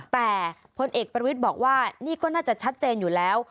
แต่พลเอกประวิทย์บอกว่านี่ก็น่าจะชัดเจนอยู่แล้ว